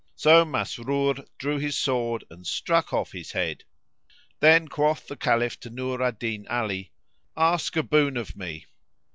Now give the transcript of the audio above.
So Masrur drew his sword and struck off his head. Then quoth the Caliph to Nur al Din Ali, "Ask a boon of me."